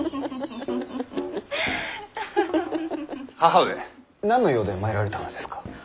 母上何の用で参られたのですか？